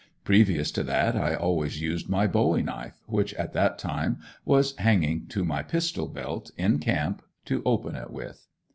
Previous to that I always used my bowie knife, which at that time was hanging to my pistol belt, in camp, to open it with.